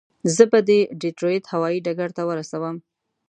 زه به دې د ډیترویت هوایي ډګر ته ورسوم.